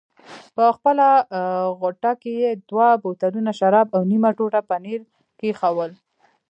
په خپله غوټه کې یې دوه بوتلونه شراب او نیمه ټوټه پنیر کېښوول.